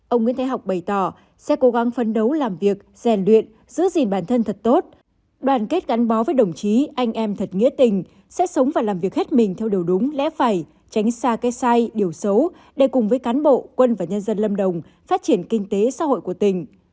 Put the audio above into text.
ông nguyễn thái học bày tỏ sẽ cố gắng phấn đấu làm việc rèn luyện giữ gìn bản thân thật tốt đoàn kết gắn bó với đồng chí anh em thật nghĩa tình sẽ sống và làm việc hết mình theo điều đúng lẽ phải tránh xa cái sai điều xấu để cùng với cán bộ quân và nhân dân lâm đồng phát triển kinh tế xã hội của tỉnh